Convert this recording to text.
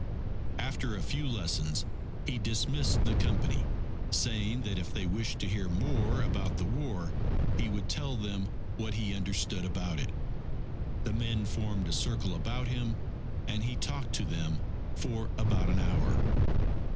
After a few lessons, he dismissed the Company, saying that if they wished to hear more about the war, he would tell them what he understood about it. The men formed a circle about him, and he talked to them for about an hour.